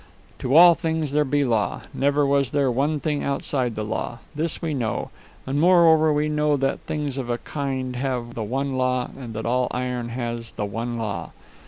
To all things there be law. Never was there one thing outside the law. This we know. And, moreover, we know that things of a kind have the one law, and that all iron has the one law.